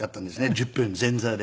１０分前座で。